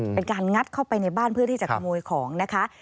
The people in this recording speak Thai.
เป็นการงัดเข้าไปในบ้านเพื่อที่จะขโมยของนะคะ